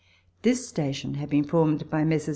This station had been formed by Messrs.